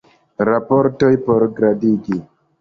Raportoj por gradigi.